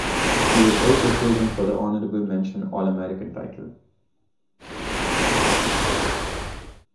He also was chosen for the Honorable Mention All-American title.